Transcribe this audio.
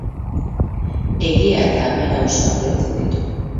Egia eta Amara auzoak lotzen ditu.